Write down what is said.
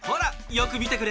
よくみてくれ。